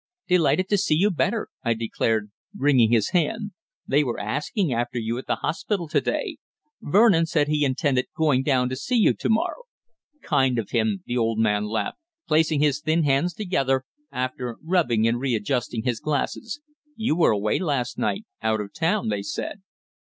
"Delighted to see you better," I declared, wringing his hand. "They were asking after you at the hospital to day. Vernon said he intended going down to see you to morrow." "Kind of him," the old man laughed, placing his thin hands together, after rubbing and readjusting his glasses. "You were away last night; out of town, they said."